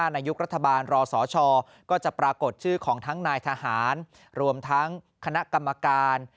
ยุครัฐบาลรอสชก็จะปรากฏชื่อของทั้งนายทหารรวมทั้งคณะกรรมการ